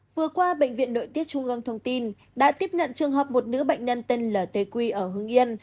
vừa qua bệnh viện nội tiết trung ương thông tin đã tiếp nhận trường hợp một nữ bệnh nhân tên l t qi ở hương yên